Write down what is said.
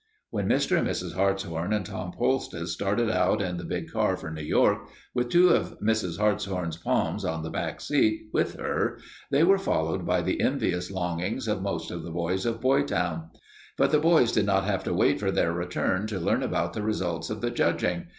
When Mr. and Mrs. Hartshorn and Tom Poultice started out in the big car for New York, with two of Mrs. Hartshorn's Poms on the back seat with her, they were followed by the envious longings of most of the boys of Boytown. But the boys did not have to wait for their return to learn about the results of the judging.